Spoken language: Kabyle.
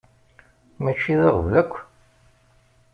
Mačči d aɣbel akk!